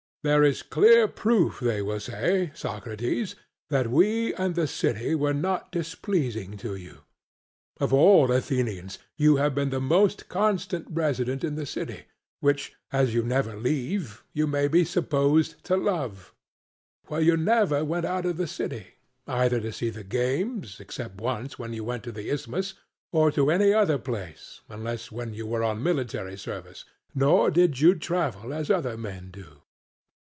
'There is clear proof,' they will say, 'Socrates, that we and the city were not displeasing to you. Of all Athenians you have been the most constant resident in the city, which, as you never leave, you may be supposed to love (compare Phaedr.). For you never went out of the city either to see the games, except once when you went to the Isthmus, or to any other place unless when you were on military service; nor did you travel as other men do.